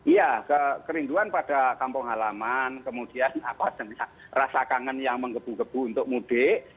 iya kerinduan pada kampung halaman kemudian rasa kangen yang menggebu gebu untuk mudik